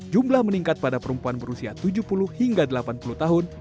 jumlah meningkat pada perempuan berusia tujuh puluh hingga delapan puluh tahun